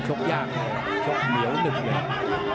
ชกยากชกเหนียวหนึ่งเลยนะคะ